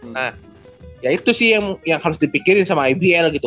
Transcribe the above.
nah ya itu sih yang harus dipikirin sama ibl gitu